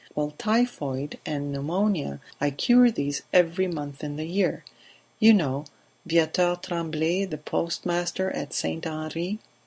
Well, typhoid and pneumonia, I cure these every month in the year. You know Viateur Tremblay, the postmaster at St. Henri ..."